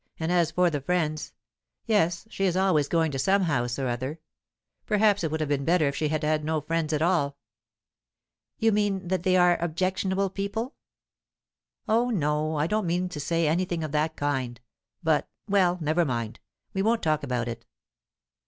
And as for the friends yes, she is always going to some house or other. Perhaps it would have been better if she had had no friends at all." "You mean that they are objectionable people?" "Oh no; I don't mean to say anything of that kind. But well, never mind, we won't talk about it."